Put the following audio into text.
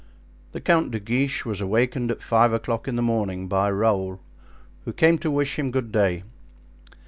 The Count de Guiche was awakened at five o'clock in the morning by Raoul, who came to wish him good day.